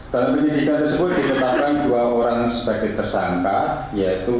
dalam penyidikan tersebut ditetapkan dua orang sebagai tersangka yaitu